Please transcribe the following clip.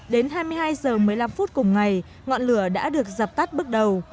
đến hai mươi hai h một mươi năm phút cùng ngày ngọn lửa đã được dập tắt bước đầu